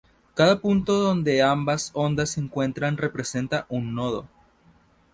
Cada punto donde ambas ondas se encuentran representa un nodo.